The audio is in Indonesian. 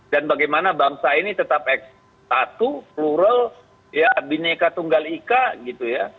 dan bagaimana bangsa ini tetap ekstatu plural ya bineka tunggal ika gitu ya